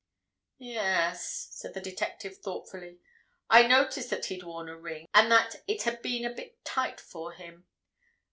"Yes," said the detective, thoughtfully, "I noticed that he'd worn a ring, and that it had been a bit tight for him.